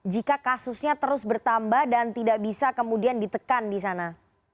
jika kasusnya terus bertambah dan tidak bisa kemudian ditekan di sana